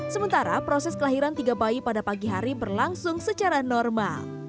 sementara proses kelahiran tiga bayi pada pagi hari berlangsung secara normal